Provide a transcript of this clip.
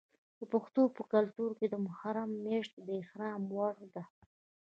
د پښتنو په کلتور کې د محرم میاشت د احترام وړ ده.